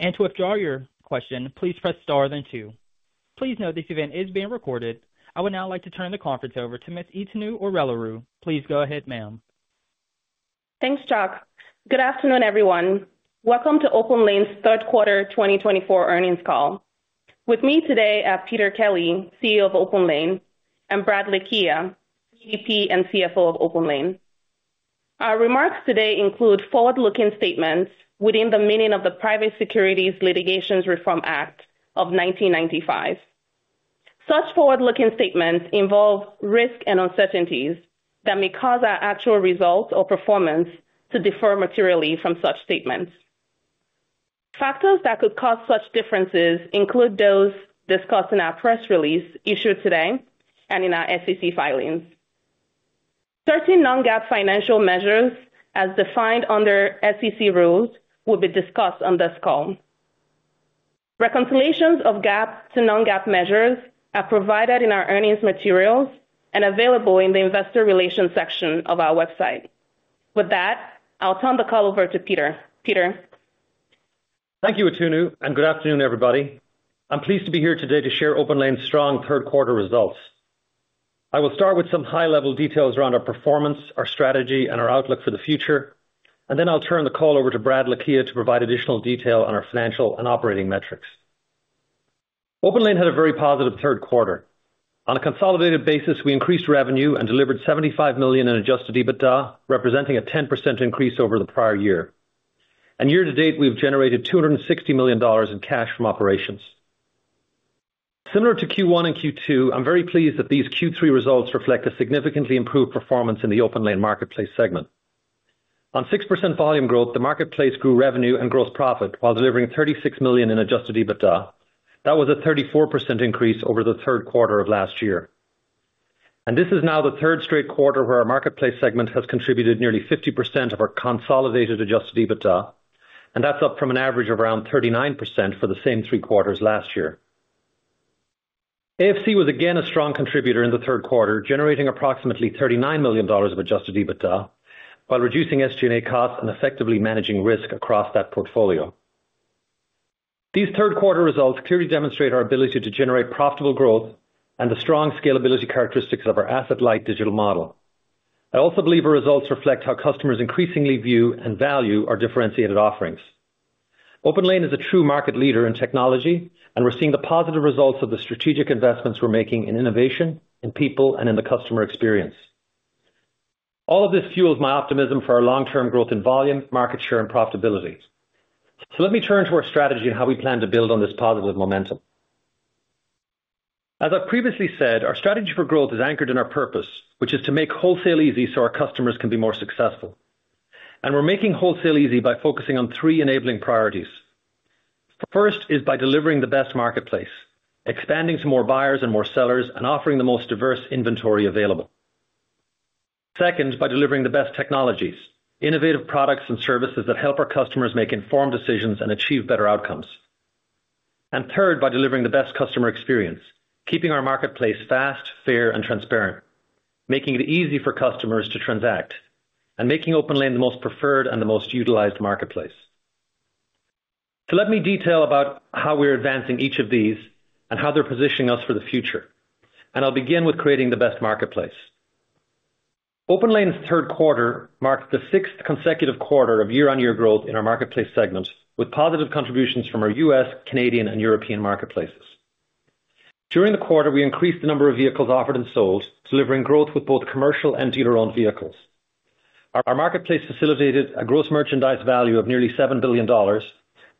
And to withdraw your question, please press star then two. Please note this event is being recorded. I would now like to turn the conference over to Ms. Itunu Orelaru. Please go ahead, ma'am. Thanks, Chuck. Good afternoon, everyone. Welcome to OPENLANE's third quarter 2024 earnings call. With me today are Peter Kelly, CEO of OPENLANE, and Brad Lakhia, VP and CFO of OPENLANE. Our remarks today include forward-looking statements within the meaning of the Private Securities Litigation Reform Act of 1995. Such forward-looking statements involve risk and uncertainties that may cause our actual results or performance to differ materially from such statements. Factors that could cause such differences include those discussed in our press release issued today and in our SEC filings. Certain non-GAAP financial measures, as defined under SEC rules, will be discussed on this call. Reconciliations of GAAP to non-GAAP measures are provided in our earnings materials and available in the investor relations section of our website. With that, I'll turn the call over to Peter. Peter? Thank you, Itunu, and good afternoon, everybody. I'm pleased to be here today to share OPENLANE's strong third quarter results. I will start with some high-level details around our performance, our strategy, and our outlook for the future, and then I'll turn the call over to Brad Lakhia to provide additional detail on our financial and operating metrics. OPENLANE had a very positive third quarter. On a consolidated basis, we increased revenue and delivered $75 million in adjusted EBITDA, representing a 10% increase over the prior year. And year-to-date, we've generated $260 million in cash from operations. Similar to Q1 and Q2, I'm very pleased that these Q3 results reflect a significantly improved performance in the OPENLANE marketplace segment. On 6% volume growth, the marketplace grew revenue and gross profit while delivering $36 million in adjusted EBITDA. That was a 34% increase over the third quarter of last year, and this is now the third straight quarter where our marketplace segment has contributed nearly 50% of our consolidated adjusted EBITDA, and that's up from an average of around 39% for the same three quarters last year. AFC was again a strong contributor in the third quarter, generating approximately $39 million of adjusted EBITDA while reducing SG&A costs and effectively managing risk across that portfolio. These third quarter results clearly demonstrate our ability to generate profitable growth and the strong scalability characteristics of our asset-light digital model. I also believe our results reflect how customers increasingly view and value our differentiated offerings. OPENLANE is a true market leader in technology, and we're seeing the positive results of the strategic investments we're making in innovation, in people, and in the customer experience. All of this fuels my optimism for our long-term growth in volume, market share, and profitability. So let me turn to our strategy and how we plan to build on this positive momentum. As I've previously said, our strategy for growth is anchored in our purpose, which is to make wholesale easy so our customers can be more successful. And we're making wholesale easy by focusing on three enabling priorities. First is by delivering the best marketplace, expanding to more buyers and more sellers, and offering the most diverse inventory available. Second, by delivering the best technologies, innovative products and services that help our customers make informed decisions and achieve better outcomes. And third, by delivering the best customer experience, keeping our marketplace fast, fair, and transparent, making it easy for customers to transact, and making OPENLANE the most preferred and the most utilized marketplace. So let me detail about how we're advancing each of these and how they're positioning us for the future. And I'll begin with creating the best marketplace. OPENLANE's third quarter marked the sixth consecutive quarter of year-on-year growth in our marketplace segment, with positive contributions from our U.S., Canadian, and European marketplaces. During the quarter, we increased the number of vehicles offered and sold, delivering growth with both commercial and dealer-owned vehicles. Our marketplace facilitated a gross merchandise value of nearly $7 billion,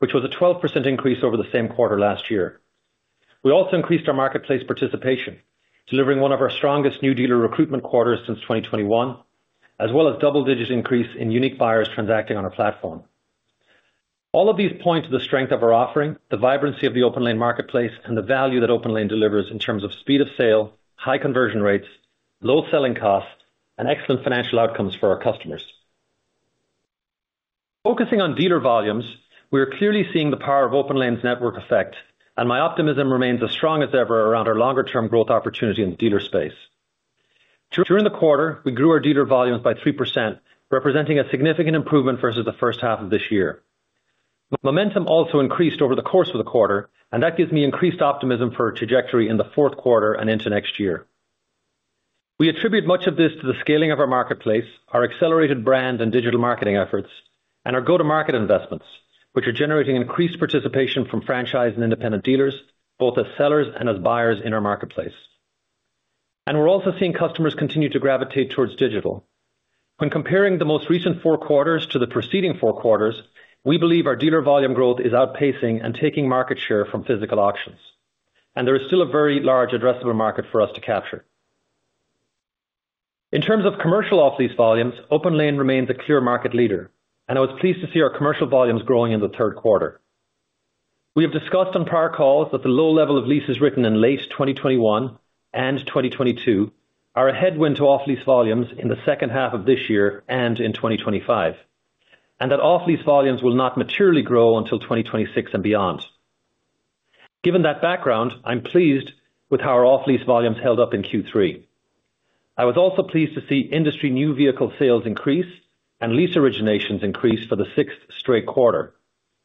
which was a 12% increase over the same quarter last year. We also increased our marketplace participation, delivering one of our strongest new dealer recruitment quarters since 2021, as well as a double-digit increase in unique buyers transacting on our platform. All of these point to the strength of our offering, the vibrancy of the OPENLANE marketplace, and the value that OPENLANE delivers in terms of speed of sale, high conversion rates, low selling costs, and excellent financial outcomes for our customers. Focusing on dealer volumes, we are clearly seeing the power of OPENLANE's network effect, and my optimism remains as strong as ever around our longer-term growth opportunity in the dealer space. During the quarter, we grew our dealer volumes by 3%, representing a significant improvement versus the first half of this year. Momentum also increased over the course of the quarter, and that gives me increased optimism for our trajectory in the fourth quarter and into next year. We attribute much of this to the scaling of our marketplace, our accelerated brand and digital marketing efforts, and our go-to-market investments, which are generating increased participation from franchise and independent dealers, both as sellers and as buyers in our marketplace, and we're also seeing customers continue to gravitate towards digital. When comparing the most recent four quarters to the preceding four quarters, we believe our dealer volume growth is outpacing and taking market share from physical auctions, and there is still a very large addressable market for us to capture. In terms of commercial off-lease volumes, OPENLANE remains a clear market leader, and I was pleased to see our commercial volumes growing in the third quarter. We have discussed on prior calls that the low level of leases written in late 2021 and 2022 are a headwind to off-lease volumes in the second half of this year and in 2025, and that off-lease volumes will not maturely grow until 2026 and beyond. Given that background, I'm pleased with how our off-lease volumes held up in Q3. I was also pleased to see industry new vehicle sales increase and lease originations increase for the sixth straight quarter,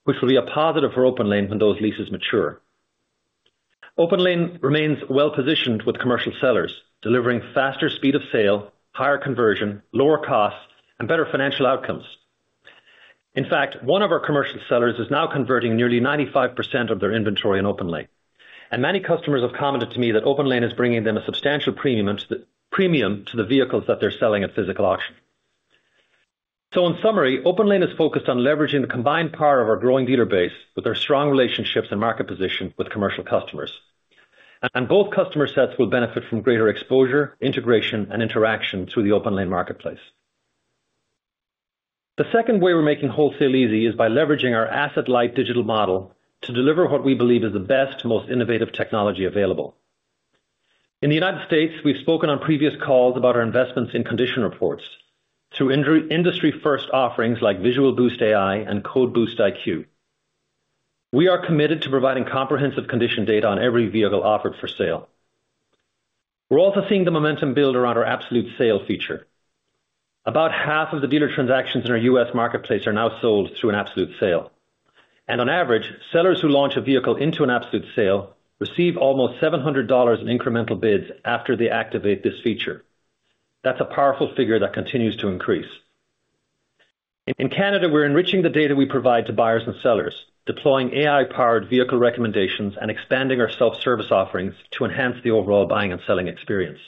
which will be a positive for OPENLANE when those leases mature. OPENLANE remains well-positioned with commercial sellers, delivering faster speed of sale, higher conversion, lower costs, and better financial outcomes. In fact, one of our commercial sellers is now converting nearly 95% of their inventory in OPENLANE. And many customers have commented to me that OPENLANE is bringing them a substantial premium to the vehicles that they're selling at physical auction. So in summary, OPENLANE is focused on leveraging the combined power of our growing dealer base with our strong relationships and market position with commercial customers. And both customer sets will benefit from greater exposure, integration, and interaction through the OPENLANE marketplace. The second way we're making wholesale easy is by leveraging our asset-light digital model to deliver what we believe is the best, most innovative technology available. In the United States, we've spoken on previous calls about our investments in condition reports through industry-first offerings like Visual Boost AI and Code Boost IQ. We are committed to providing comprehensive condition data on every vehicle offered for sale. We're also seeing the momentum build around our absolute sale feature. About half of the dealer transactions in our U.S. marketplace are now sold through an absolute sale. And on average, sellers who launch a vehicle into an absolute sale receive almost $700 in incremental bids after they activate this feature. That's a powerful figure that continues to increase. In Canada, we're enriching the data we provide to buyers and sellers, deploying AI-powered vehicle recommendations and expanding our self-service offerings to enhance the overall buying and selling experience.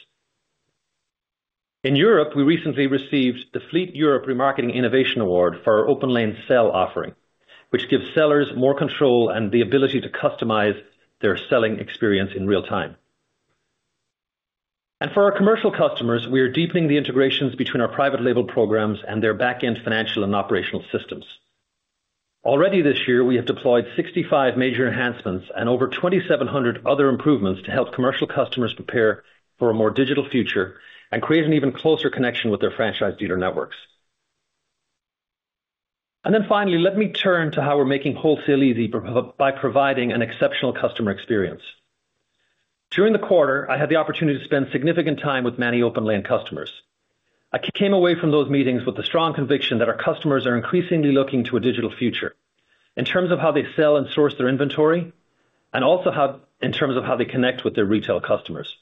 In Europe, we recently received the Fleet Europe Remarketing Innovation Award for our OPENLANE Sell offering, which gives sellers more control and the ability to customize their selling experience in real time. And for our commercial customers, we are deepening the integrations between our private label programs and their back-end financial and operational systems. Already this year, we have deployed 65 major enhancements and over 2,700 other improvements to help commercial customers prepare for a more digital future and create an even closer connection with their franchise dealer networks. And then finally, let me turn to how we're making wholesale easy by providing an exceptional customer experience. During the quarter, I had the opportunity to spend significant time with many OPENLANE customers. I came away from those meetings with the strong conviction that our customers are increasingly looking to a digital future in terms of how they sell and source their inventory, and also in terms of how they connect with their retail customers.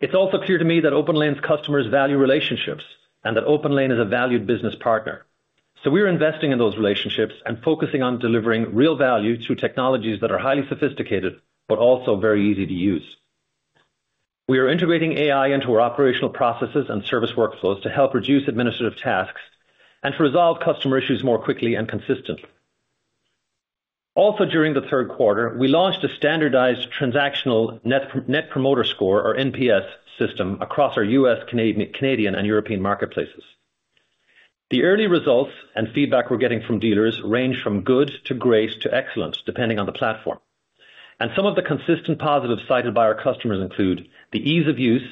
It's also clear to me that OPENLANE's customers value relationships and that OPENLANE is a valued business partner. So we are investing in those relationships and focusing on delivering real value through technologies that are highly sophisticated but also very easy to use. We are integrating AI into our operational processes and service workflows to help reduce administrative tasks and to resolve customer issues more quickly and consistently. Also, during the third quarter, we launched a standardized transactional Net Promoter Score, or NPS, system across our U.S., Canadian, and European marketplaces. The early results and feedback we're getting from dealers range from good to great to excellent, depending on the platform. And some of the consistent positives cited by our customers include the ease of use,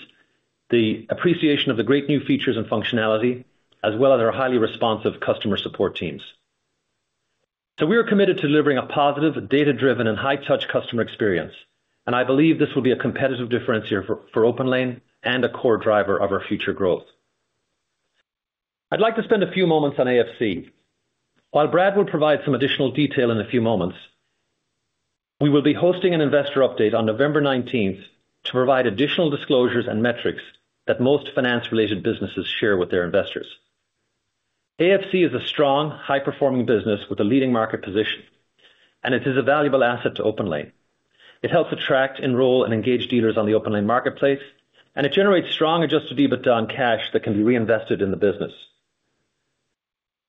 the appreciation of the great new features and functionality, as well as our highly responsive customer support teams. So we are committed to delivering a positive, data-driven, and high-touch customer experience. I believe this will be a competitive differentiator for OPENLANE and a core driver of our future growth. I'd like to spend a few moments on AFC. While Brad will provide some additional detail in a few moments, we will be hosting an investor update on November 19th to provide additional disclosures and metrics that most finance-related businesses share with their investors. AFC is a strong, high-performing business with a leading market position, and it is a valuable asset to OPENLANE. It helps attract, enroll, and engage dealers on the OPENLANE marketplace, and it generates strong adjusted EBITDA on cash that can be reinvested in the business.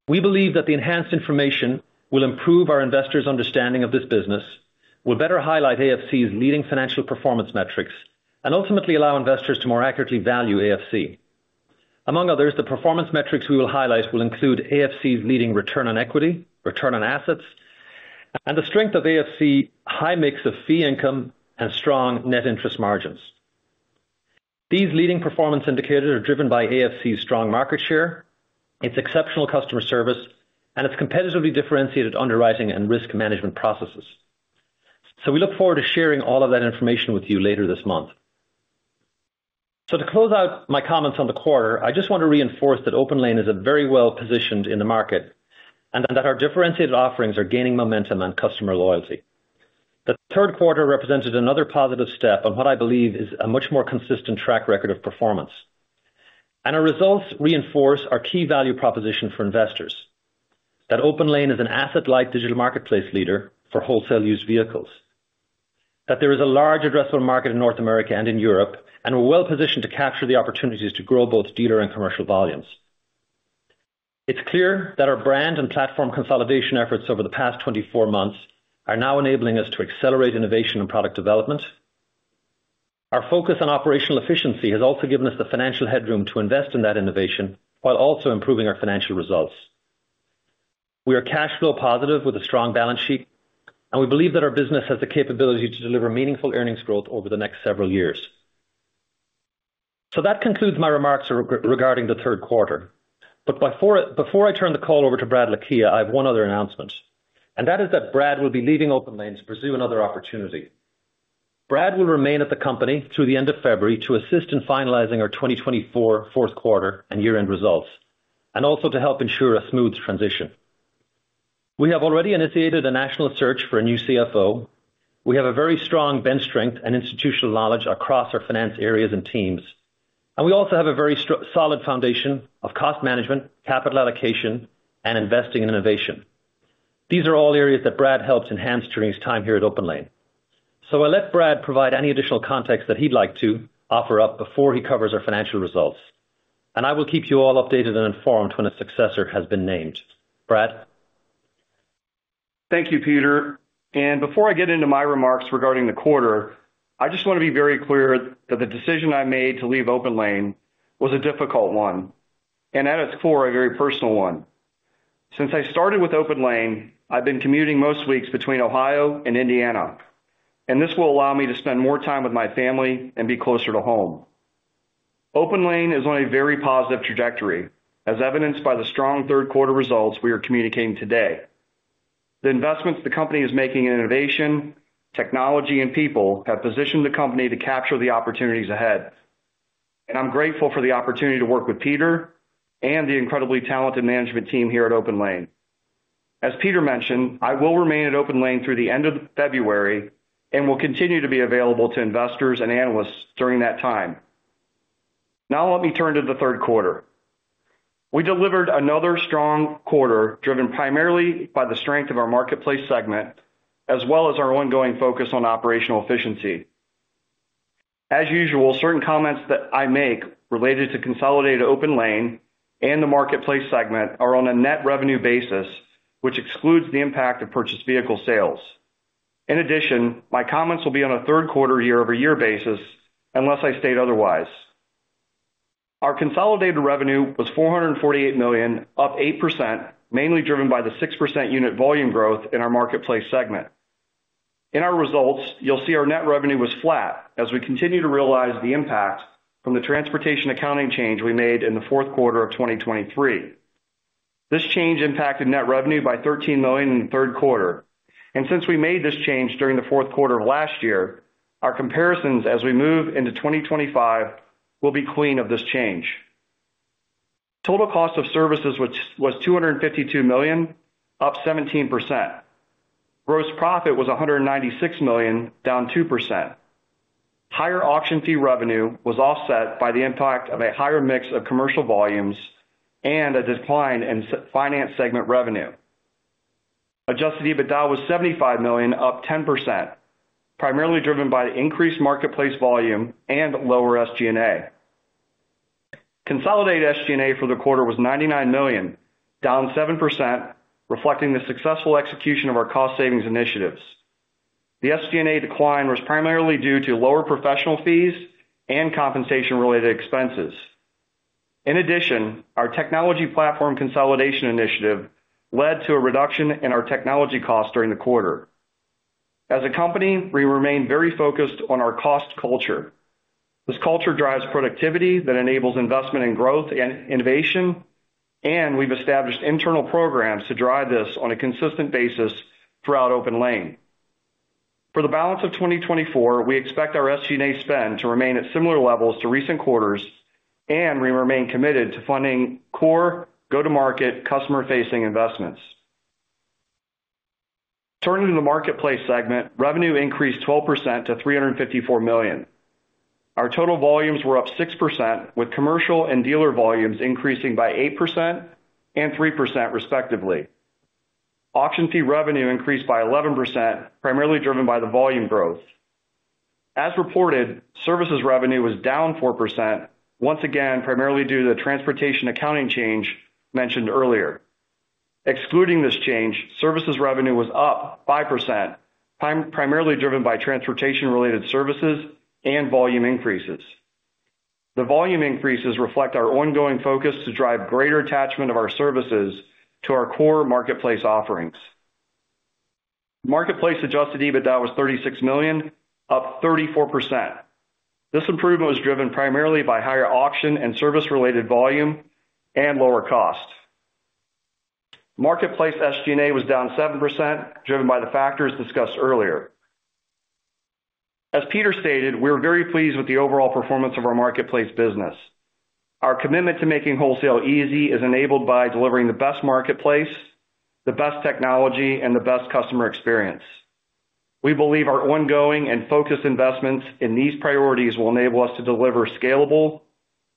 We believe that the enhanced information will improve our investors' understanding of this business, will better highlight AFC's leading financial performance metrics, and ultimately allow investors to more accurately value AFC. Among others, the performance metrics we will highlight will include AFC's leading return on equity, return on assets, and the strength of AFC's high mix of fee income and strong net interest margins. These leading performance indicators are driven by AFC's strong market share, its exceptional customer service, and its competitively differentiated underwriting and risk management processes. So we look forward to sharing all of that information with you later this month. So to close out my comments on the quarter, I just want to reinforce that OPENLANE is very well positioned in the market and that our differentiated offerings are gaining momentum and customer loyalty. The third quarter represented another positive step on what I believe is a much more consistent track record of performance. Our results reinforce our key value proposition for investors: that OPENLANE is an asset-light digital marketplace leader for wholesale used vehicles, that there is a large addressable market in North America and in Europe, and we're well positioned to capture the opportunities to grow both dealer and commercial volumes. It's clear that our brand and platform consolidation efforts over the past 24 months are now enabling us to accelerate innovation and product development. Our focus on operational efficiency has also given us the financial headroom to invest in that innovation while also improving our financial results. We are cash flow positive with a strong balance sheet, and we believe that our business has the capability to deliver meaningful earnings growth over the next several years. That concludes my remarks regarding the third quarter. Before I turn the call over to Brad Lakhia, I have one other announcement. And that is that Brad will be leaving OPENLANE to pursue another opportunity. Brad will remain at the company through the end of February to assist in finalizing our 2024 fourth quarter and year-end results, and also to help ensure a smooth transition. We have already initiated a national search for a new CFO. We have a very strong bench strength and institutional knowledge across our finance areas and teams. And we also have a very solid foundation of cost management, capital allocation, and investing in innovation. These are all areas that Brad helped enhance during his time here at OPENLANE. So I'll let Brad provide any additional context that he'd like to offer up before he covers our financial results. And I will keep you all updated and informed when a successor has been named. Brad? Thank you, Peter. Before I get into my remarks regarding the quarter, I just want to be very clear that the decision I made to leave OPENLANE was a difficult one, and at its core, a very personal one. Since I started with OPENLANE, I've been commuting most weeks between Ohio and Indiana. This will allow me to spend more time with my family and be closer to home. OPENLANE is on a very positive trajectory, as evidenced by the strong third quarter results we are communicating today. The investments the company is making in innovation, technology, and people have positioned the company to capture the opportunities ahead. I'm grateful for the opportunity to work with Peter and the incredibly talented management team here at OPENLANE. As Peter mentioned, I will remain at OPENLANE through the end of February and will continue to be available to investors and analysts during that time. Now let me turn to the third quarter. We delivered another strong quarter driven primarily by the strength of our marketplace segment, as well as our ongoing focus on operational efficiency. As usual, certain comments that I make related to consolidated OPENLANE and the marketplace segment are on a net revenue basis, which excludes the impact of purchased vehicle sales. In addition, my comments will be on a third quarter year-over-year basis unless I state otherwise. Our consolidated revenue was $448 million, up 8%, mainly driven by the 6% unit volume growth in our marketplace segment. In our results, you'll see our net revenue was flat as we continue to realize the impact from the transportation accounting change we made in the fourth quarter of 2023. This change impacted net revenue by $13 million in the third quarter, and since we made this change during the fourth quarter of last year, our comparisons as we move into 2025 will be clean of this change. Total cost of services was $252 million, up 17%. Gross profit was $196 million, down 2%. Higher auction fee revenue was offset by the impact of a higher mix of commercial volumes and a decline in finance segment revenue. Adjusted EBITDA was $75 million, up 10%, primarily driven by the increased marketplace volume and lower SG&A. Consolidated SG&A for the quarter was $99 million, down 7%, reflecting the successful execution of our cost savings initiatives. The SG&A decline was primarily due to lower professional fees and compensation-related expenses. In addition, our technology platform consolidation initiative led to a reduction in our technology costs during the quarter. As a company, we remain very focused on our cost culture. This culture drives productivity that enables investment in growth and innovation, and we've established internal programs to drive this on a consistent basis throughout OPENLANE. For the balance of 2024, we expect our SG&A spend to remain at similar levels to recent quarters, and we remain committed to funding core go-to-market customer-facing investments. Turning to the marketplace segment, revenue increased 12% to $354 million. Our total volumes were up 6%, with commercial and dealer volumes increasing by 8% and 3%, respectively. Auction fee revenue increased by 11%, primarily driven by the volume growth. As reported, services revenue was down 4%, once again primarily due to the transportation accounting change mentioned earlier. Excluding this change, services revenue was up 5%, primarily driven by transportation-related services and volume increases. The volume increases reflect our ongoing focus to drive greater attachment of our services to our core marketplace offerings. Marketplace adjusted EBITDA was $36 million, up 34%. This improvement was driven primarily by higher auction and service-related volume and lower cost. Marketplace SG&A was down 7%, driven by the factors discussed earlier. As Peter stated, we are very pleased with the overall performance of our marketplace business. Our commitment to making wholesale easy is enabled by delivering the best marketplace, the best technology, and the best customer experience. We believe our ongoing and focused investments in these priorities will enable us to deliver scalable,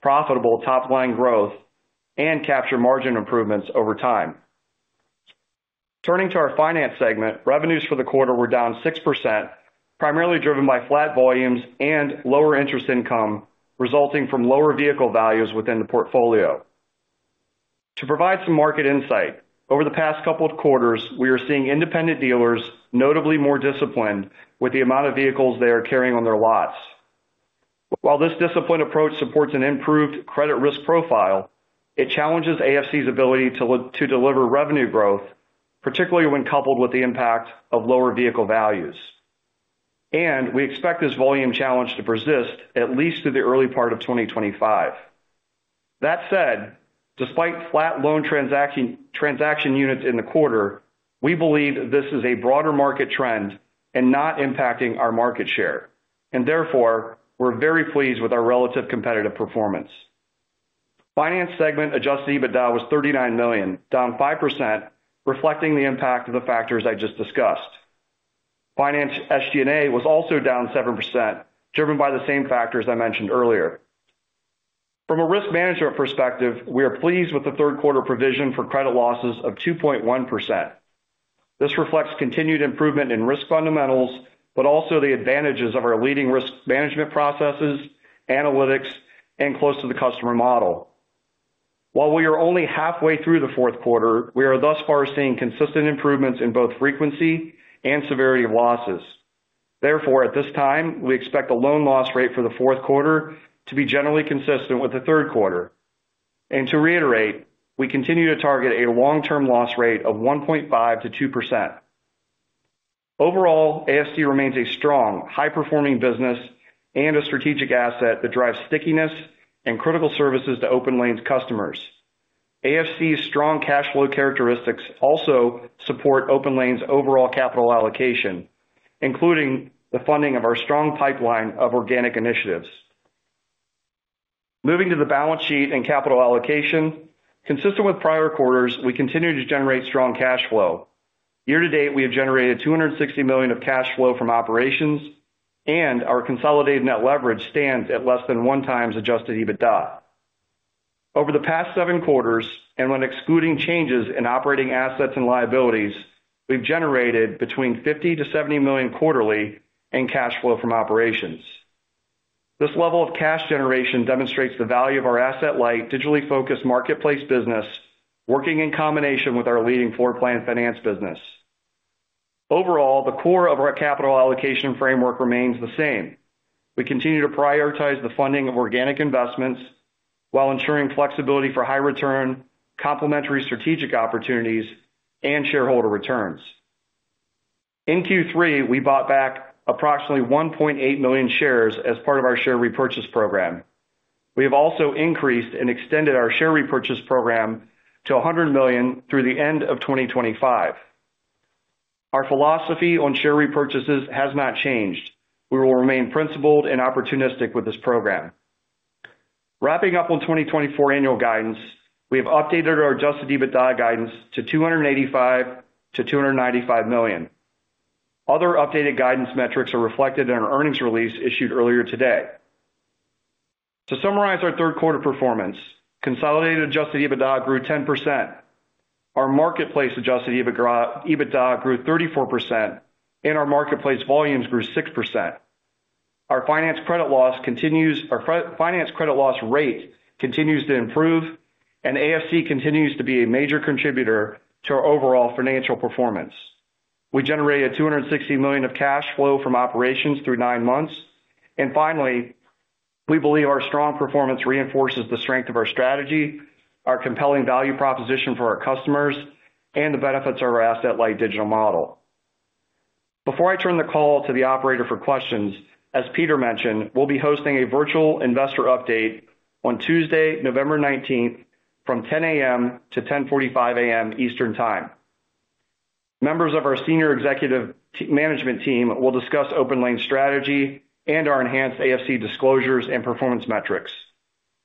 profitable top-line growth and capture margin improvements over time. Turning to our finance segment, revenues for the quarter were down 6%, primarily driven by flat volumes and lower interest income resulting from lower vehicle values within the portfolio. To provide some market insight, over the past couple of quarters, we are seeing independent dealers notably more disciplined with the amount of vehicles they are carrying on their lots. While this disciplined approach supports an improved credit risk profile, it challenges AFC's ability to deliver revenue growth, particularly when coupled with the impact of lower vehicle values. And we expect this volume challenge to persist at least through the early part of 2025. That said, despite flat loan transaction units in the quarter, we believe this is a broader market trend and not impacting our market share. And therefore, we're very pleased with our relative competitive performance. Finance segment adjusted EBITDA was $39 million, down 5%, reflecting the impact of the factors I just discussed. Finance SG&A was also down 7%, driven by the same factors I mentioned earlier. From a risk management perspective, we are pleased with the third quarter provision for credit losses of 2.1%. This reflects continued improvement in risk fundamentals, but also the advantages of our leading risk management processes, analytics, and close-to-the-customer model. While we are only halfway through the fourth quarter, we are thus far seeing consistent improvements in both frequency and severity of losses. Therefore, at this time, we expect the loan loss rate for the fourth quarter to be generally consistent with the third quarter. And to reiterate, we continue to target a long-term loss rate of 1.5%-2%. Overall, AFC remains a strong, high-performing business and a strategic asset that drives stickiness and critical services to OPENLANE's customers. AFC's strong cash flow characteristics also support OPENLANE's overall capital allocation, including the funding of our strong pipeline of organic initiatives. Moving to the balance sheet and capital allocation, consistent with prior quarters, we continue to generate strong cash flow. Year-to-date, we have generated $260 million of cash flow from operations, and our consolidated net leverage stands at less than one times adjusted EBITDA. Over the past seven quarters, and when excluding changes in operating assets and liabilities, we've generated between $50 million-$70 million quarterly in cash flow from operations. This level of cash generation demonstrates the value of our asset-light, digitally focused marketplace business, working in combination with our leading floor plan finance business. Overall, the core of our capital allocation framework remains the same. We continue to prioritize the funding of organic investments while ensuring flexibility for high-return, complementary strategic opportunities, and shareholder returns. In Q3, we bought back approximately 1.8 million shares as part of our share repurchase program. We have also increased and extended our share repurchase program to $100 million through the end of 2025. Our philosophy on share repurchases has not changed. We will remain principled and opportunistic with this program. Wrapping up on 2024 annual guidance, we have updated our adjusted EBITDA guidance to $285 million-$295 million. Other updated guidance metrics are reflected in our earnings release issued earlier today. To summarize our third quarter performance, consolidated adjusted EBITDA grew 10%. Our marketplace adjusted EBITDA grew 34%, and our marketplace volumes grew 6%. Our finance credit loss rate continues to improve, and AFC continues to be a major contributor to our overall financial performance. We generated $260 million of cash flow from operations through nine months. Finally, we believe our strong performance reinforces the strength of our strategy, our compelling value proposition for our customers, and the benefits of our asset-light digital model. Before I turn the call to the operator for questions, as Peter mentioned, we'll be hosting a Virtual Investor Update on Tuesday, November 19th, from 10:00 A.M. to 10:45 A.M. Eastern Time. Members of our Senior Executive Management Team will discuss OPENLANE's strategy and our enhanced AFC disclosures and performance metrics.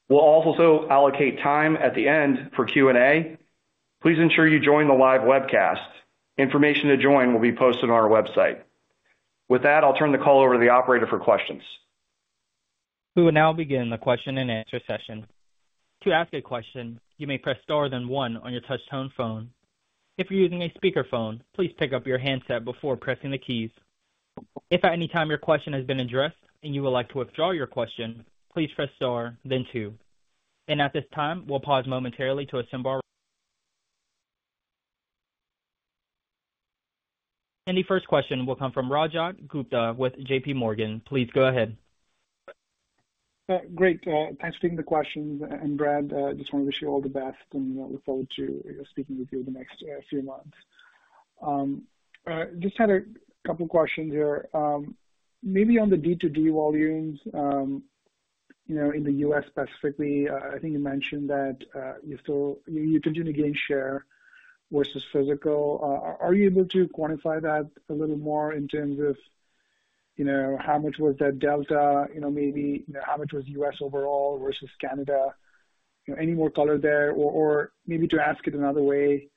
We'll also allocate time at the end for Q&A. Please ensure you join the live webcast. Information to join will be posted on our website. With that, I'll turn the call over to the operator for questions. We will now begin the question-and-answer session. To ask a question, you may press star then one on your touch-tone phone. If you're using a speakerphone, please pick up your handset before pressing the keys. If at any time your question has been addressed and you would like to withdraw your question, please press star, then two. And at this time, we'll pause momentarily to assemble our queue. And the first question will come from Rajat Gupta with JPMorgan. Please go ahead. Great. Thanks for taking the questions. And Brad, I just want to wish you all the best and look forward to speaking with you in the next few months. Just had a couple of questions here. Maybe on the D2D volumes in the U.S. specifically, I think you mentioned that you continue to gain share versus physical. Are you able to quantify that a little more in terms of how much was that delta? Maybe how much was U.S. overall versus Canada? Any more color there? Or maybe to ask it another way,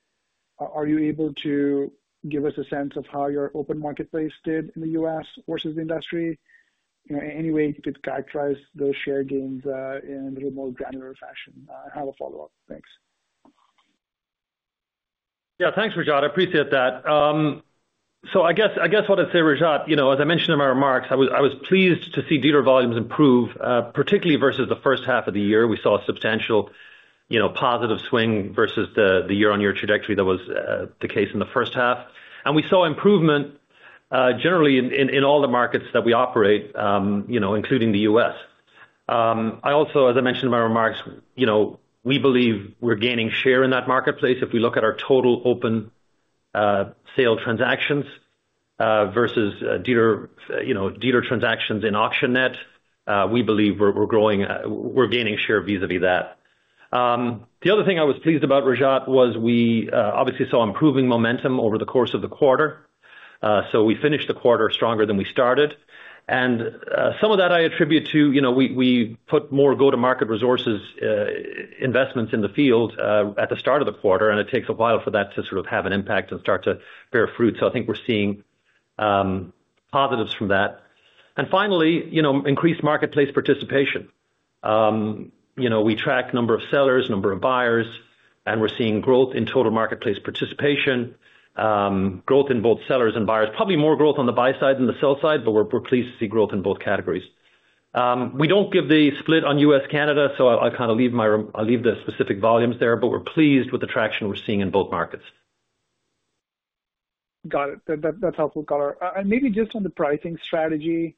are you able to give us a sense of how your open marketplace did in the U.S. versus the industry? Any way you could characterize those share gains in a little more granular fashion? I have a follow-up. Thanks. Yeah, thanks, Rajat. I appreciate that. So I guess what I'd say, Rajat, as I mentioned in my remarks, I was pleased to see dealer volumes improve, particularly versus the first half of the year. We saw a substantial positive swing versus the year-on-year trajectory that was the case in the first half. And we saw improvement generally in all the markets that we operate, including the U.S. I also, as I mentioned in my remarks, we believe we're gaining share in that marketplace if we look at our total open sale transactions versus dealer transactions in auction net. We believe we're gaining share vis-à-vis that. The other thing I was pleased about, Rajat, was we obviously saw improving momentum over the course of the quarter. So we finished the quarter stronger than we started. And some of that I attribute to we put more go-to-market resources investments in the field at the start of the quarter, and it takes a while for that to sort of have an impact and start to bear fruit. So I think we're seeing positives from that. And finally, increased marketplace participation. We track number of sellers, number of buyers, and we're seeing growth in total marketplace participation, growth in both sellers and buyers. Probably more growth on the buy side than the sell side, but we're pleased to see growth in both categories. We don't give the split on U.S., Canada, so I'll kind of leave the specific volumes there, but we're pleased with the traction we're seeing in both markets. Got it. That's helpful color. And maybe just on the pricing strategy,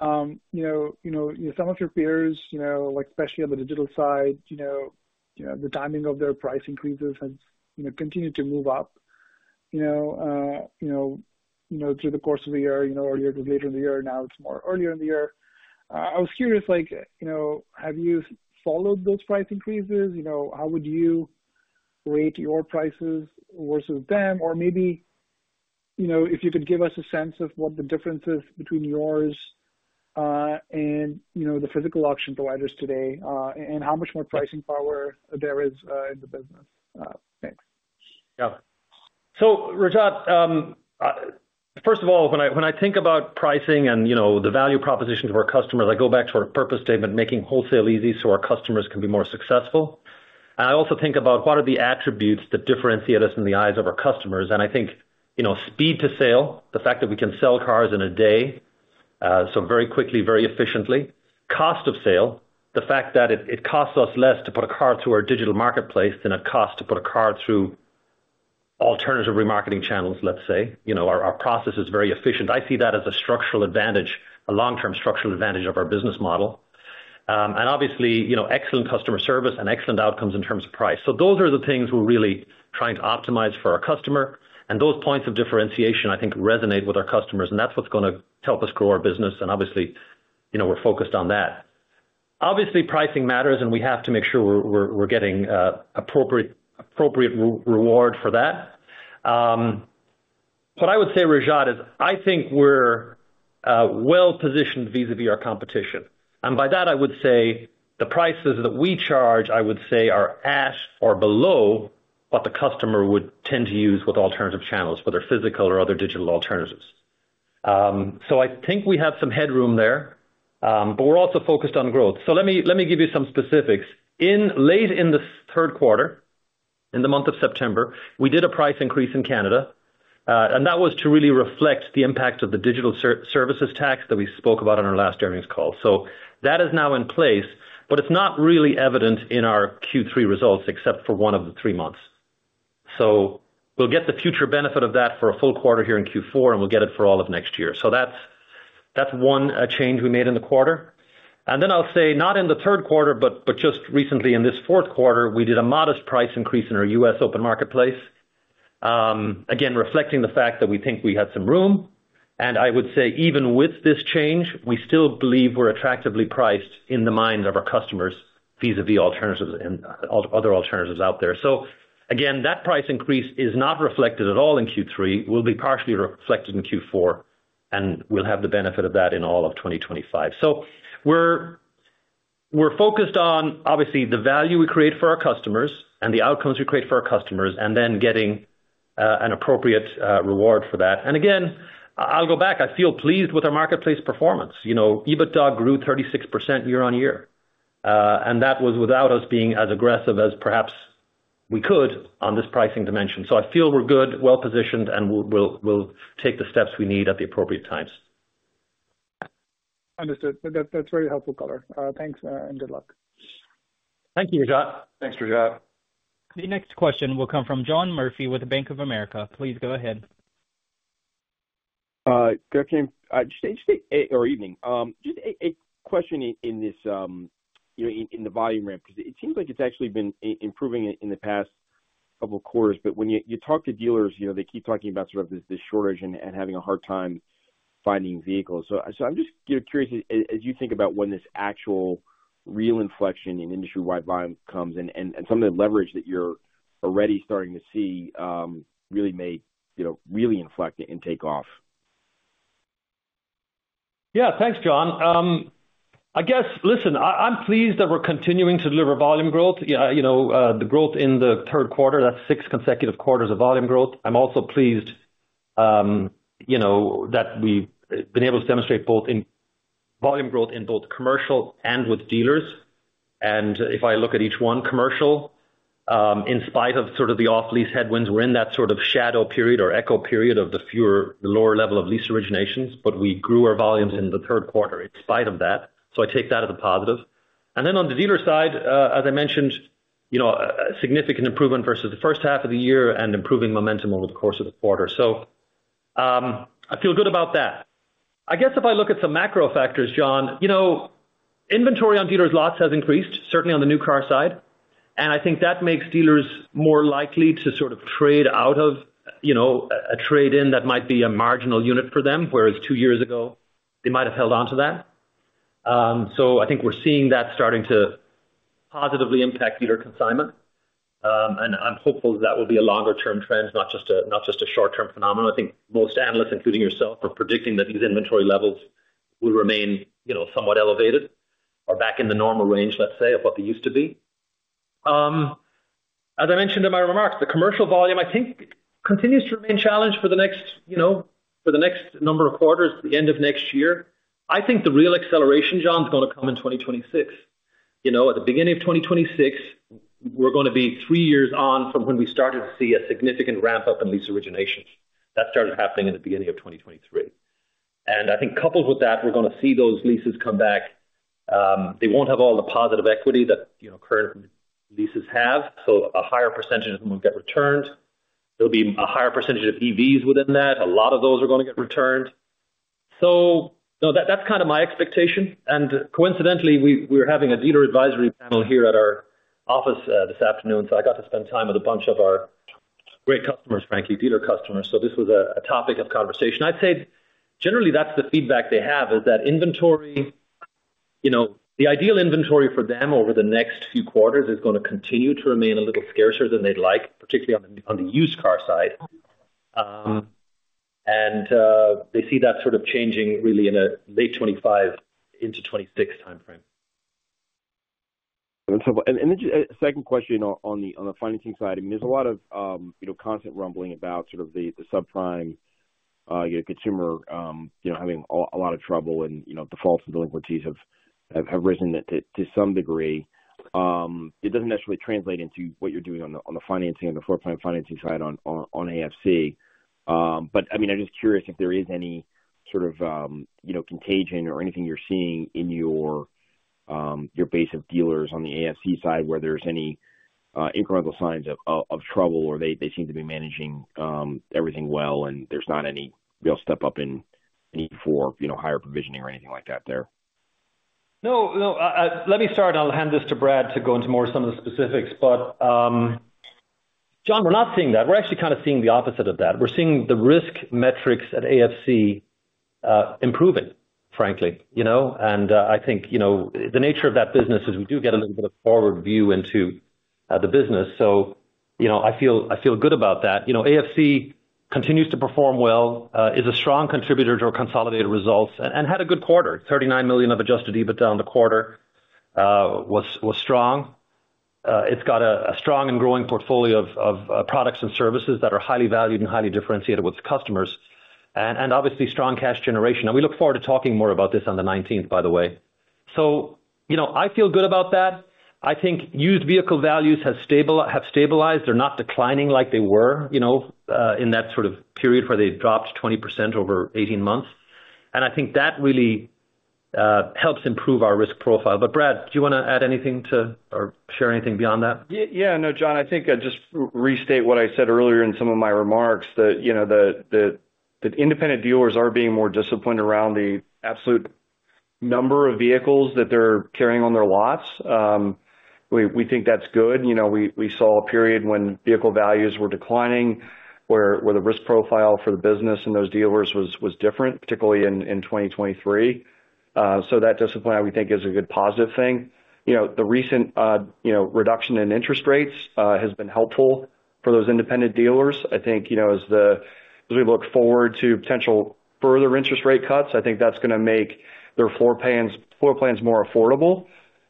some of your peers, especially on the digital side, the timing of their price increases has continued to move up through the course of the year, earlier to later in the year. Now it's more earlier in the year. I was curious, have you followed those price increases? How would you rate your prices versus them? Or maybe if you could give us a sense of what the difference is between yours and the physical auction providers today and how much more pricing power there is in the business. Thanks. Yeah. So Rajat, first of all, when I think about pricing and the value proposition to our customers, I go back to our purpose statement, making wholesale easy so our customers can be more successful. And I also think about what are the attributes that differentiate us in the eyes of our customers. And I think speed to sale, the fact that we can sell cars in a day, so very quickly, very efficiently. Cost of sale, the fact that it costs us less to put a car through our digital marketplace than it costs to put a car through alternative remarketing channels, let's say. Our process is very efficient. I see that as a structural advantage, a long-term structural advantage of our business model. And obviously, excellent customer service and excellent outcomes in terms of price. So those are the things we're really trying to optimize for our customer. Those points of differentiation, I think, resonate with our customers. And that's what's going to help us grow our business. And obviously, we're focused on that. Obviously, pricing matters, and we have to make sure we're getting appropriate reward for that. What I would say, Rajat, is I think we're well-positioned vis-à-vis our competition. And by that, I would say the prices that we charge, I would say, are at or below what the customer would tend to use with alternative channels, whether physical or other digital alternatives. So I think we have some headroom there, but we're also focused on growth. So let me give you some specifics. Late in the third quarter, in the month of September, we did a price increase in Canada, and that was to really reflect the impact of the digital services tax that we spoke about on our last earnings call. So that is now in place, but it's not really evident in our Q3 results except for one of the three months. So we'll get the future benefit of that for a full quarter here in Q4, and we'll get it for all of next year. So that's one change we made in the quarter. And then I'll say, not in the third quarter, but just recently in this fourth quarter, we did a modest price increase in our U.S. open marketplace, again, reflecting the fact that we think we had some room. And I would say, even with this change, we still believe we're attractively priced in the minds of our customers vis-à-vis alternatives and other alternatives out there. So again, that price increase is not reflected at all in Q3. It will be partially reflected in Q4, and we'll have the benefit of that in all of 2025. So we're focused on, obviously, the value we create for our customers and the outcomes we create for our customers, and then getting an appropriate reward for that. And again, I'll go back. I feel pleased with our marketplace performance. EBITDA grew 36% year-on-year. And that was without us being as aggressive as perhaps we could on this pricing dimension. So I feel we're good, well-positioned, and we'll take the steps we need at the appropriate times. Understood. That's very helpful color. Thanks and good luck. Thank you, Rajat. Thanks, Rajat. The next question will come from John Murphy with the Bank of America. Please go ahead. Good afternoon or evening. Just a question in the volume ramp, because it seems like it's actually been improving in the past couple of quarters. But when you talk to dealers, they keep talking about sort of this shortage and having a hard time finding vehicles. So I'm just curious, as you think about when this actual real inflection in industry-wide volume comes and some of the leverage that you're already starting to see really inflect and take off? Yeah, thanks, John. I guess, listen, I'm pleased that we're continuing to deliver volume growth. The growth in the third quarter, that's six consecutive quarters of volume growth. I'm also pleased that we've been able to demonstrate both volume growth in both commercial and with dealers. And if I look at each one, commercial, in spite of sort of the off-lease headwinds, we're in that sort of shadow period or echo period of the lower level of lease originations, but we grew our volumes in the third quarter in spite of that. So I take that as a positive. And then on the dealer side, as I mentioned, significant improvement versus the first half of the year and improving momentum over the course of the quarter. So I feel good about that. I guess if I look at some macro factors, John, inventory on dealers' lots has increased, certainly on the new car side. And I think that makes dealers more likely to sort of trade out of a trade-in that might be a marginal unit for them, whereas two years ago, they might have held on to that. So I think we're seeing that starting to positively impact dealer consignment. And I'm hopeful that that will be a longer-term trend, not just a short-term phenomenon. I think most analysts, including yourself, are predicting that these inventory levels will remain somewhat elevated or back in the normal range, let's say, of what they used to be. As I mentioned in my remarks, the commercial volume, I think, continues to remain challenged for the next number of quarters, the end of next year. I think the real acceleration, John, is going to come in 2026. At the beginning of 2026, we're going to be three years on from when we started to see a significant ramp-up in lease originations. That started happening in the beginning of 2023. And I think coupled with that, we're going to see those leases come back. They won't have all the positive equity that current leases have. So a higher percentage of them will get returned. There'll be a higher percentage of EVs within that. A lot of those are going to get returned. So that's kind of my expectation. And coincidentally, we were having a dealer advisory panel here at our office this afternoon. So I got to spend time with a bunch of our great customers, frankly, dealer customers. So this was a topic of conversation. I'd say generally that's the feedback they have is that inventory, the ideal inventory for them over the next few quarters is going to continue to remain a little scarcer than they'd like, particularly on the used car side, and they see that sort of changing really in a late 2025 into 2026 timeframe. A second question on the financing side. I mean, there's a lot of constant rumbling about sort of the subprime consumer having a lot of trouble and defaults and delinquencies have risen to some degree. It doesn't necessarily translate into what you're doing on the financing, on the floor plan financing side on AFC. But I mean, I'm just curious if there is any sort of contagion or anything you're seeing in your base of dealers on the AFC side where there's any incremental signs of trouble or they seem to be managing everything well and there's not any real step up in any form of higher provisioning or anything like that there. No, no. Let me start. I'll hand this to Brad to go into more of some of the specifics. But John, we're not seeing that. We're actually kind of seeing the opposite of that. We're seeing the risk metrics at AFC improving, frankly. And I think the nature of that business is we do get a little bit of forward view into the business. So I feel good about that. AFC continues to perform well, is a strong contributor to our consolidated results, and had a good quarter. $39 million of adjusted EBITDA on the quarter was strong. It's got a strong and growing portfolio of products and services that are highly valued and highly differentiated with customers. And obviously, strong cash generation. And we look forward to talking more about this on the 19th, by the way. So I feel good about that. I think used vehicle values have stabilized. They're not declining like they were in that sort of period where they dropped 20% over 18 months. And I think that really helps improve our risk profile. But Brad, do you want to add anything to or share anything beyond that? Yeah. No, John, I think I just restate what I said earlier in some of my remarks that independent dealers are being more disciplined around the absolute number of vehicles that they're carrying on their lots. We think that's good. We saw a period when vehicle values were declining where the risk profile for the business and those dealers was different, particularly in 2023. So that discipline, I would think, is a good positive thing. The recent reduction in interest rates has been helpful for those independent dealers. I think as we look forward to potential further interest rate cuts, I think that's going to make their floor plans more affordable.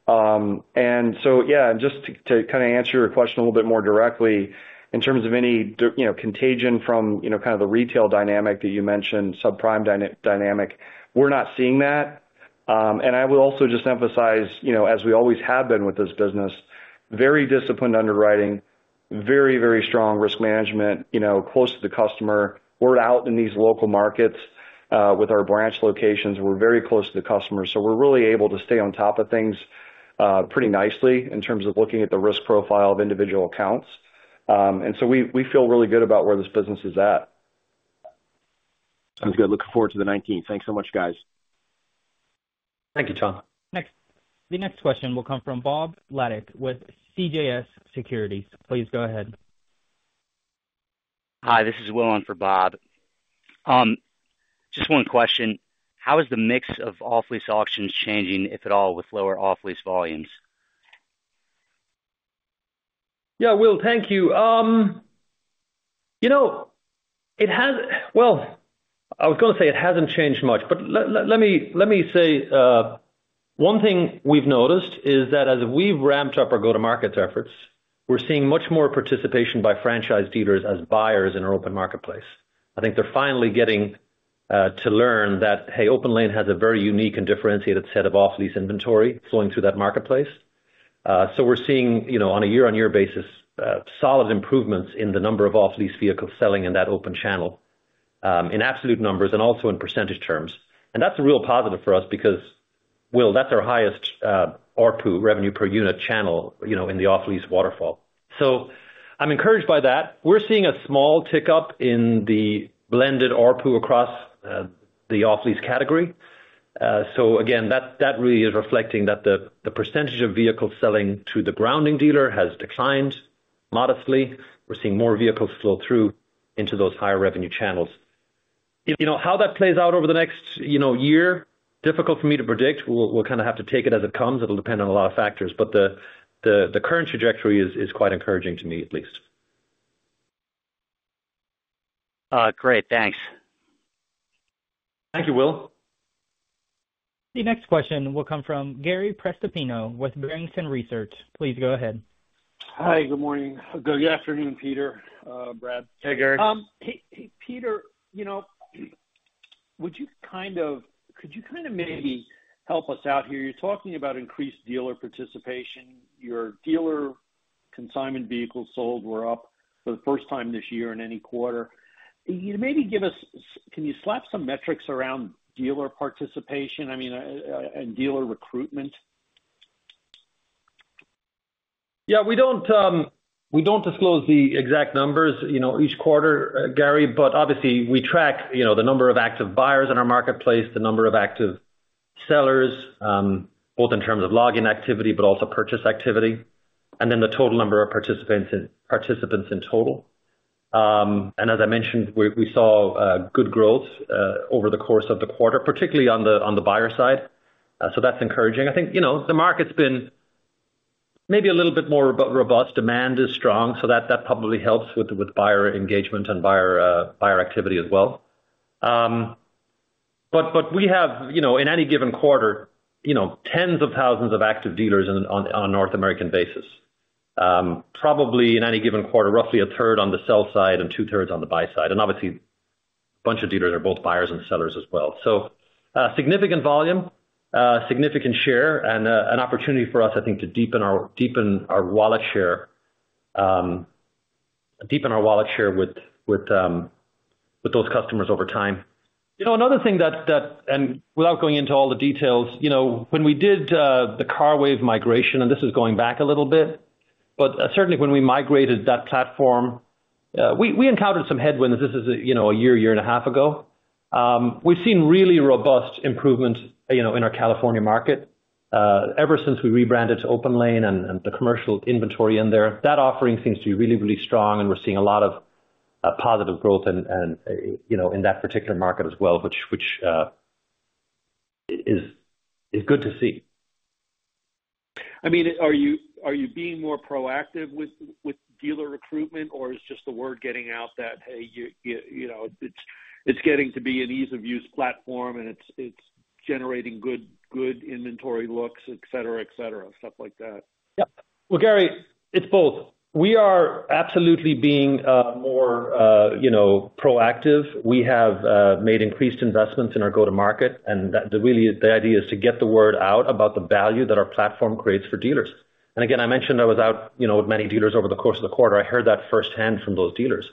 And so, yeah, and just to kind of answer your question a little bit more directly, in terms of any contagion from kind of the retail dynamic that you mentioned, subprime dynamic, we're not seeing that. And I will also just emphasize, as we always have been with this business, very disciplined underwriting, very, very strong risk management, close to the customer. We're out in these local markets with our branch locations. We're very close to the customer. So we're really able to stay on top of things pretty nicely in terms of looking at the risk profile of individual accounts. And so we feel really good about where this business is at. Sounds good. Looking forward to the 19th. Thanks so much, guys. Thank you, John. The next question will come from Bob Labick with CJS Securities. Please go ahead. Hi, this is Will Owen for Bob. Just one question. How is the mix of off-lease auctions changing, if at all, with lower off-lease volumes? Yeah, Will, thank you. Well, I was going to say it hasn't changed much. But let me say one thing we've noticed is that as we've ramped up our go-to-market efforts, we're seeing much more participation by franchise dealers as buyers in our open marketplace. I think they're finally getting to learn that, hey, OPENLANE has a very unique and differentiated set of off-lease inventory flowing through that marketplace. So we're seeing, on a year-on-year basis, solid improvements in the number of off-lease vehicles selling in that open channel in absolute numbers and also in percentage terms, and that's a real positive for us because, Will, that's our highest RPU, revenue per unit channel, in the off-lease waterfall, so I'm encouraged by that. We're seeing a small tick up in the blended RPU across the off-lease category. So again, that really is reflecting that the percentage of vehicles selling to the grounding dealer has declined modestly. We're seeing more vehicles flow through into those higher revenue channels. How that plays out over the next year, difficult for me to predict. We'll kind of have to take it as it comes. It'll depend on a lot of factors. But the current trajectory is quite encouraging to me, at least. Great. Thanks. Thank you, Will. The next question will come from Gary Prestopino with Barrington Research. Please go ahead. Hi, good morning. Good afternoon, Peter. Brad. Hey, Gary. Peter, could you kind of help us out here? You're talking about increased dealer participation. Your dealer consignment vehicles sold were up for the first time this year in any quarter. Can you slap some metrics around dealer participation, I mean, and dealer recruitment? Yeah, we don't disclose the exact numbers each quarter, Gary, but obviously, we track the number of active buyers in our marketplace, the number of active sellers, both in terms of login activity, but also purchase activity, and then the total number of participants in total. And as I mentioned, we saw good growth over the course of the quarter, particularly on the buyer side. So that's encouraging. I think the market's been maybe a little bit more robust. Demand is strong. So that probably helps with buyer engagement and buyer activity as well. But we have, in any given quarter, tens of thousands of active dealers on a North American basis. Probably, in any given quarter, roughly 1/3 on the sell side and 2/3 on the buy side. And obviously, a bunch of dealers are both buyers and sellers as well. So significant volume, significant share, and an opportunity for us, I think, to deepen our wallet share with those customers over time. Another thing that, and without going into all the details, when we did the CARWAVE migration, and this is going back a little bit, but certainly when we migrated that platform, we encountered some headwinds. This is a year, year and a half ago. We've seen really robust improvements in our California market. Ever since we rebranded to OPENLANE and the commercial inventory in there, that offering seems to be really, really strong. And we're seeing a lot of positive growth in that particular market as well, which is good to see. I mean, are you being more proactive with dealer recruitment, or is just the word getting out that, hey, it's getting to be an ease-of-use platform and it's generating good inventory looks, etc. etc., stuff like that? Yeah. Well, Gary, it's both. We are absolutely being more proactive. We have made increased investments in our go-to-market. And really, the idea is to get the word out about the value that our platform creates for dealers. And again, I mentioned I was out with many dealers over the course of the quarter. I heard that firsthand from those dealers.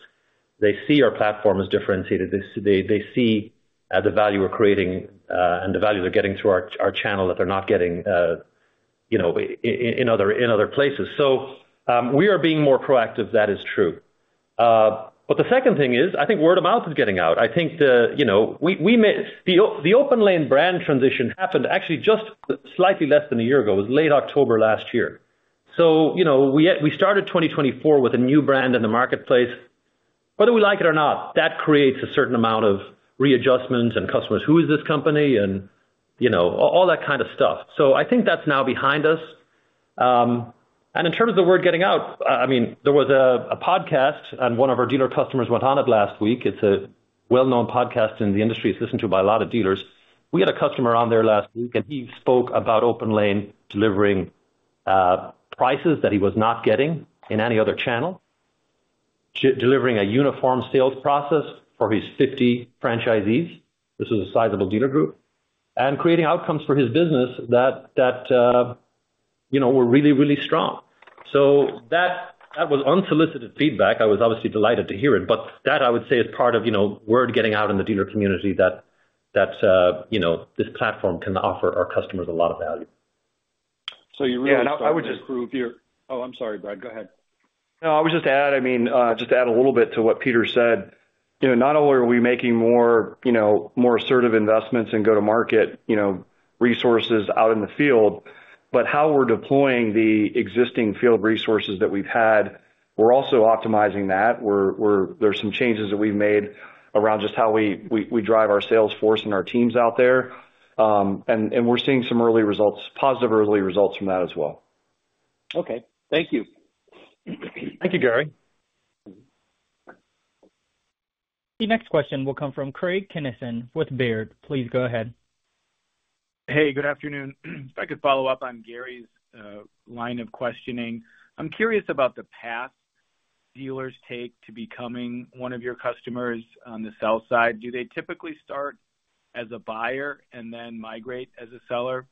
They see our platform as differentiated. They see the value we're creating and the value they're getting through our channel that they're not getting in other places. So we are being more proactive. That is true. But the second thing is, I think word of mouth is getting out. I think the OPENLANE brand transition happened actually just slightly less than a year ago. It was late October last year. So we started 2024 with a new brand in the marketplace. Whether we like it or not, that creates a certain amount of readjustments and customers, who is this company, and all that kind of stuff, so I think that's now behind us, and in terms of the word getting out, I mean, there was a podcast, and one of our dealer customers went on it last week. It's a well-known podcast in the industry. It's listened to by a lot of dealers. We had a customer on there last week, and he spoke about OPENLANE delivering prices that he was not getting in any other channel, delivering a uniform sales process for his 50 franchisees. This was a sizable dealer group and creating outcomes for his business that were really, really strong, so that was unsolicited feedback. I was obviously delighted to hear it. But that, I would say, is part of word getting out in the dealer community that this platform can offer our customers a lot of value. So you really just proved your. Oh, I'm sorry, Brad. Go ahead. No, I was just to add, I mean, just to add a little bit to what Peter said. Not only are we making more assertive investments and go-to-market resources out in the field, but how we're deploying the existing field resources that we've had, we're also optimizing that. There's some changes that we've made around just how we drive our sales force and our teams out there, and we're seeing some early results, positive early results from that as well. Okay. Thank you. Thank you, Gary. The next question will come from Craig Kennison with Baird. Please go ahead. Hey, good afternoon. If I could follow up on Gary's line of questioning, I'm curious about the path dealers take to becoming one of your customers on the sell side. Do they typically start as a buyer and then migrate as a seller,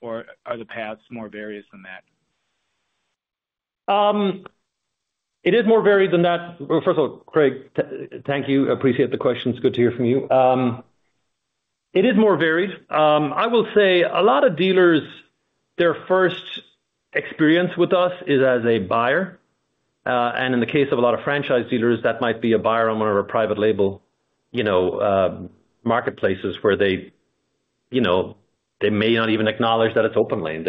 or are the paths more varied than that? It is more varied than that. Well, first of all, Craig, thank you. Appreciate the questions. Good to hear from you. It is more varied. I will say a lot of dealers, their first experience with us is as a buyer. And in the case of a lot of franchise dealers, that might be a buyer on one of our private label marketplaces where they may not even acknowledge that it's OPENLANE,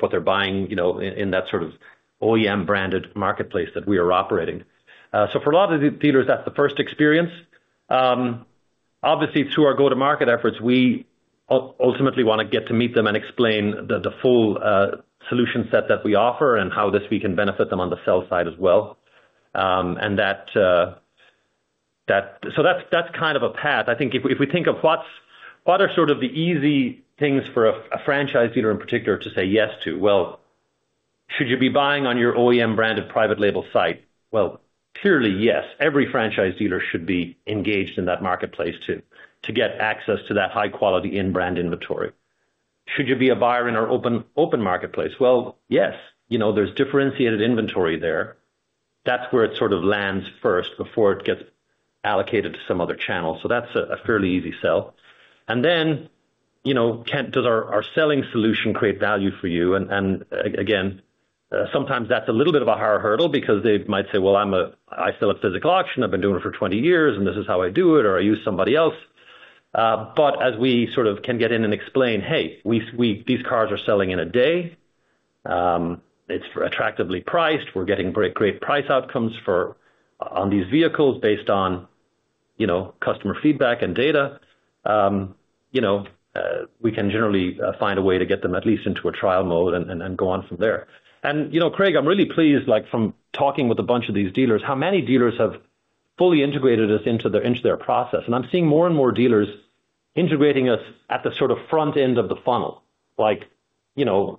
but they're buying in that sort of OEM-branded marketplace that we are operating. So for a lot of dealers, that's the first experience. Obviously, through our go-to-market efforts, we ultimately want to get to meet them and explain the full solution set that we offer and how this can benefit them on the sell side as well. And so that's kind of a path. I think if we think of what are sort of the easy things for a franchise dealer in particular to say yes to, well, should you be buying on your OEM-branded private label site? Well, clearly, yes. Every franchise dealer should be engaged in that marketplace to get access to that high-quality in-brand inventory. Should you be a buyer in our open marketplace? Well, yes. There's differentiated inventory there. That's where it sort of lands first before it gets allocated to some other channel. So that's a fairly easy sell. And then does our selling solution create value for you? And again, sometimes that's a little bit of a higher hurdle because they might say, "Well, I sell at physical auction. I've been doing it for 20 years, and this is how I do it," or, "I use somebody else." But as we sort of can get in and explain, "Hey, these cars are selling in a day. It's attractively priced. We're getting great price outcomes on these vehicles based on customer feedback and data." We can generally find a way to get them at least into a trial mode and go on from there. And Craig, I'm really pleased from talking with a bunch of these dealers. How many dealers have fully integrated us into their process? And I'm seeing more and more dealers integrating us at the sort of front end of the funnel.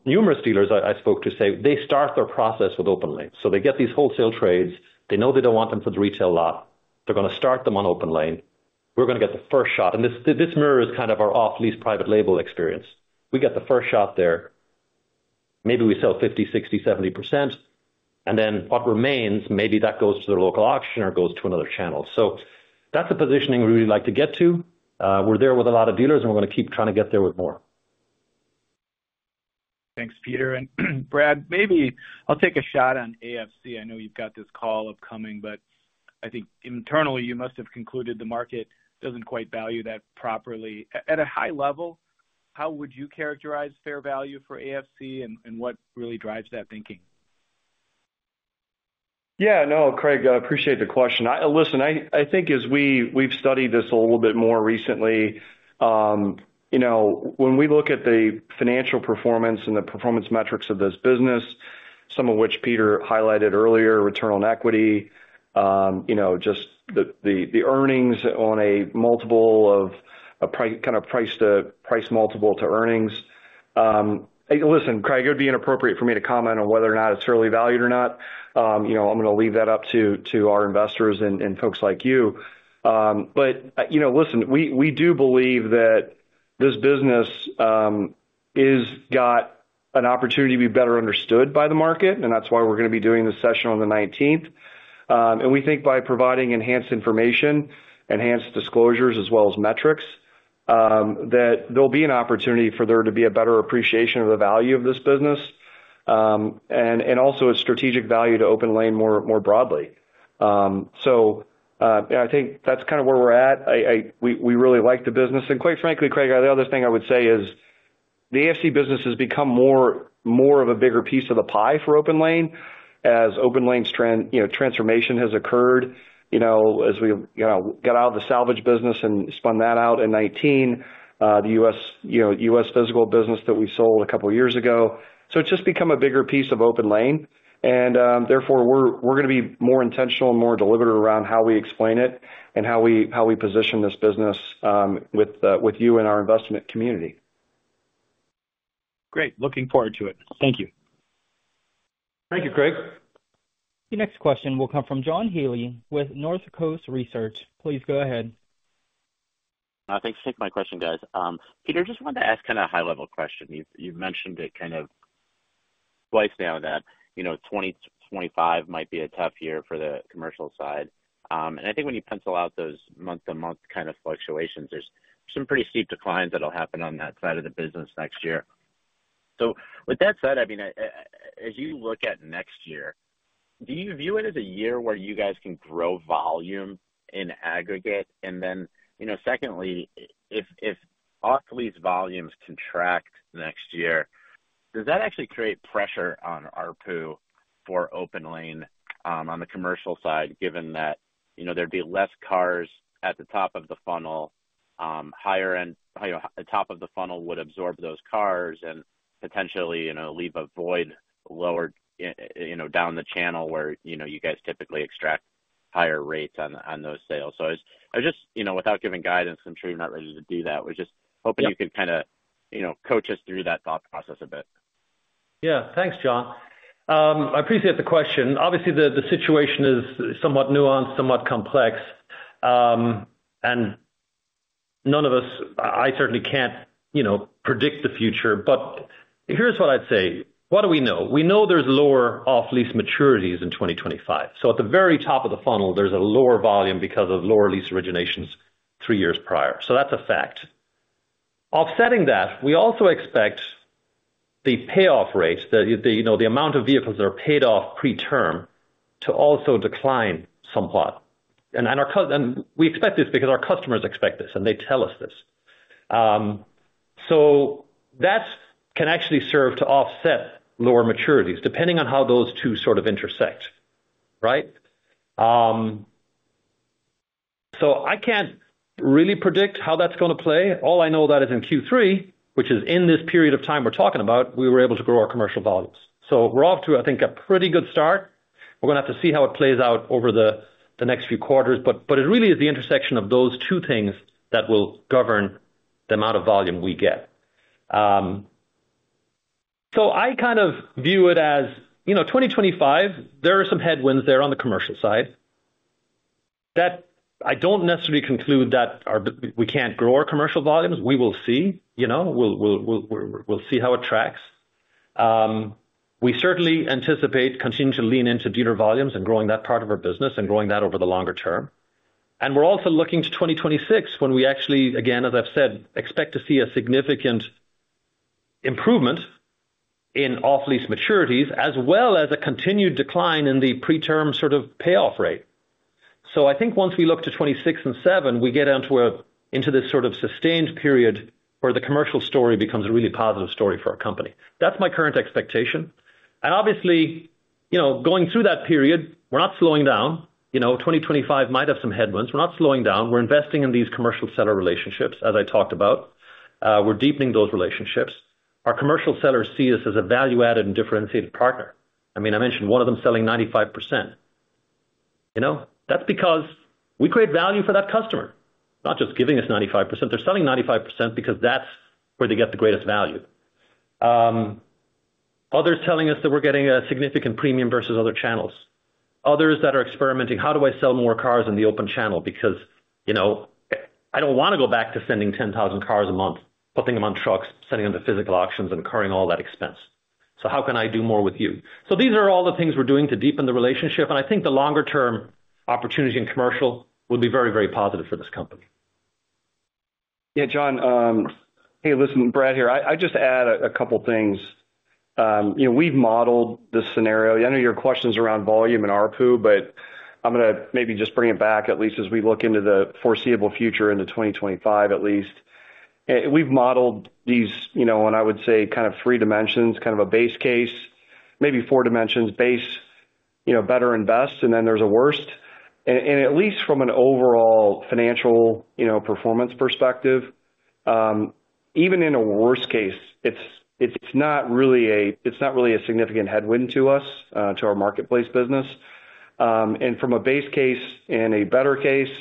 Numerous dealers I spoke to say they start their process with OPENLANE. So they get these wholesale trades. They know they don't want them for the retail lot. They're going to start them on OPENLANE. We're going to get the first shot. And this mirrors kind of our off-lease private label experience. We get the first shot there. Maybe we sell 50%, 60%, 70%. And then what remains, maybe that goes to the local auction or goes to another channel. So that's the positioning we really like to get to. We're there with a lot of dealers, and we're going to keep trying to get there with more. Thanks, Peter. And Brad, maybe I'll take a shot on AFC. I know you've got this call upcoming, but I think internally, you must have concluded the market doesn't quite value that properly. At a high level, how would you characterize fair value for AFC, and what really drives that thinking? Yeah. No, Craig, I appreciate the question. Listen, I think as we've studied this a little bit more recently, when we look at the financial performance and the performance metrics of this business, some of which Peter highlighted earlier, return on equity, just the earnings on a multiple of kind of price to price multiple to earnings. Listen, Craig, it would be inappropriate for me to comment on whether or not it's fairly valued or not. I'm going to leave that up to our investors and folks like you. But listen, we do believe that this business has got an opportunity to be better understood by the market. And that's why we're going to be doing this session on the 19th. And we think by providing enhanced information, enhanced disclosures, as well as metrics, that there'll be an opportunity for there to be a better appreciation of the value of this business and also a strategic value to OPENLANE more broadly. So I think that's kind of where we're at. We really like the business. And quite frankly, Craig, the other thing I would say is the AFC business has become more of a bigger piece of the pie for OPENLANE as OPENLANE's transformation has occurred. As we got out of the salvage business and spun that out in 2019, the U.S. physical business that we sold a couple of years ago. So it's just become a bigger piece of OPENLANE. And therefore, we're going to be more intentional and more deliberate around how we explain it and how we position this business with you and our investment community. Great. Looking forward to it. Thank you. Thank you, Craig. The next question will come from John Healy with Northcoast Research. Please go ahead. Thanks for taking my question, guys. Peter, I just wanted to ask kind of a high-level question. You've mentioned it kind of twice now that 2025 might be a tough year for the commercial side. And I think when you pencil out those month-to-month kind of fluctuations, there's some pretty steep declines that'll happen on that side of the business next year. So with that said, I mean, as you look at next year, do you view it as a year where you guys can grow volume in aggregate? And then secondly, if off-lease volumes contract next year, does that actually create pressure on ARPU for OPENLANE on the commercial side, given that there'd be less cars at the top of the funnel? Higher-end top of the funnel would absorb those cars and potentially leave a void lower down the channel where you guys typically extract higher rates on those sales. So I was just, without giving guidance, I'm sure you're not ready to do that. I was just hoping you could kind of coach us through that thought process a bit. Yeah. Thanks, John. I appreciate the question. Obviously, the situation is somewhat nuanced, somewhat complex. And none of us, I certainly can't predict the future. But here's what I'd say. What do we know? We know there's lower off-lease maturities in 2025. So at the very top of the funnel, there's a lower volume because of lower lease originations three years prior. So that's a fact. Offsetting that, we also expect the payoff rate, the amount of vehicles that are paid off pre-term, to also decline somewhat. And we expect this because our customers expect this, and they tell us this. So that can actually serve to offset lower maturities, depending on how those two sort of intersect, right? So I can't really predict how that's going to play. All I know that is in Q3, which is in this period of time we're talking about, we were able to grow our commercial volumes. So we're off to, I think, a pretty good start. We're going to have to see how it plays out over the next few quarters. But it really is the intersection of those two things that will govern the amount of volume we get. So I kind of view it as 2025, there are some headwinds there on the commercial side. I don't necessarily conclude that we can't grow our commercial volumes. We will see. We'll see how it tracks. We certainly anticipate continuing to lean into dealer volumes and growing that part of our business and growing that over the longer term. We're also looking to 2026 when we actually, again, as I've said, expect to see a significant improvement in off-lease maturities, as well as a continued decline in the pre-term sort of payoff rate. I think once we look to 2026 and 2027, we get into this sort of sustained period where the commercial story becomes a really positive story for our company. That's my current expectation. Obviously, going through that period, we're not slowing down. 2025 might have some headwinds. We're not slowing down. We're investing in these commercial seller relationships, as I talked about. We're deepening those relationships. Our commercial sellers see us as a value-added and differentiated partner. I mean, I mentioned one of them selling 95%. That's because we create value for that customer, not just giving us 95%. They're selling 95% because that's where they get the greatest value. Others telling us that we're getting a significant premium versus other channels. Others that are experimenting, "How do I sell more cars in the open channel?" Because I don't want to go back to sending 10,000 cars a month, putting them on trucks, sending them to physical auctions, and incurring all that expense. So how can I do more with you? So these are all the things we're doing to deepen the relationship. And I think the longer-term opportunity in commercial would be very, very positive for this company. Yeah, John. Hey, listen, Brad here. I just add a couple of things. We've modeled this scenario. I know your questions around volume and ARPU, but I'm going to maybe just bring it back, at least as we look into the foreseeable future into 2025, at least. We've modeled these, what I would say, kind of three dimensions, kind of a base case, maybe four dimensions, base, better, and best, and then there's a worst, and at least from an overall financial performance perspective, even in a worst case, it's not really a significant headwind to us, to our marketplace business, and from a base case and a better case,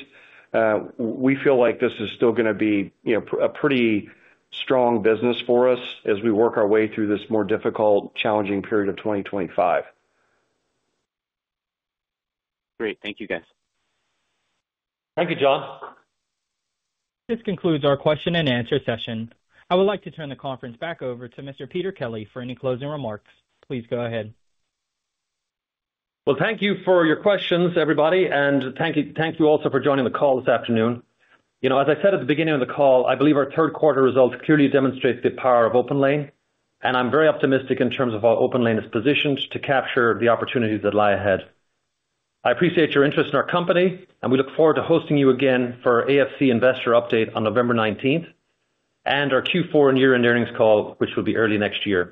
we feel like this is still going to be a pretty strong business for us as we work our way through this more difficult, challenging period of 2025. Great. Thank you, guys. Thank you, John. This concludes our question-and-answer session. I would like to turn the conference back over to Mr. Peter Kelly for any closing remarks. Please go ahead. Thank you for your questions, everybody. Thank you also for joining the call this afternoon. As I said at the beginning of the call, I believe our third-quarter result clearly demonstrates the power of OPENLANE. I'm very optimistic in terms of how OPENLANE is positioned to capture the opportunities that lie ahead. I appreciate your interest in our company, and we look forward to hosting you again for our AFC investor update on November 19th and our Q4 and year-end earnings call, which will be early next year.